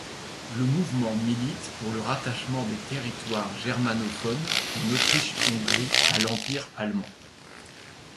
Le mouvement milite pour le rattachement des territoires germanophones en Autriche-Hongrie à l'Empire allemand.